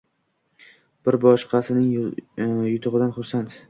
Biri boshqasining yutug‘idan xursand.